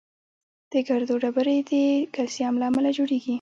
د ګردو ډبرې د کلسیم له امله جوړېږي.